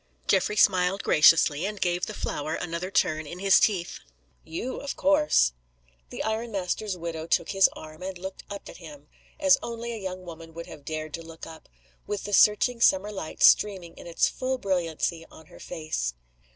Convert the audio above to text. Geoffrey smiled graciously, and gave the flower another turn in his teeth. "You. Of course." The iron master's widow took his arm, and looked up at him as only a young woman would have dared to look up with the searching summer light streaming in its full brilliancy on her face.